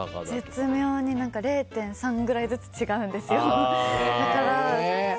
絶妙に、０．３ぐらいずつ違うんですよ。